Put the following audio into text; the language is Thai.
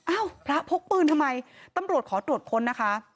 พระพกปืนทำไมตำรวจขอตรวจค้นนะคะ